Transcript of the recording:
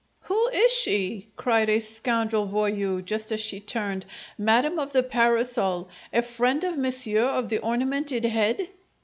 "Who is she?" cried a scoundrel voyous, just as she turned. "Madame of the parasol? A friend of monsieur of the ornamented head?"